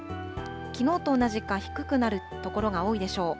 きのうと同じか低くなる所が多いでしょう。